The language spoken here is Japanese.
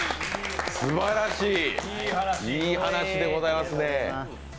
すばらしい、いい話でございますね。